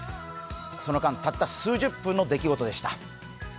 その間たった数十分の出来事でした。